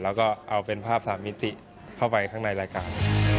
แล้วก็เอาเป็นภาพสามมิติเข้าไปข้างในรายการ